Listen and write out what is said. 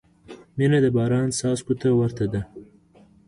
• مینه د باران څاڅکو ته ورته ده.